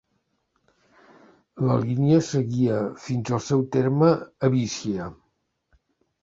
La línia seguia fins al seu terme a Bishia.